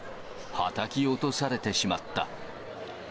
はたき落とされてしまった。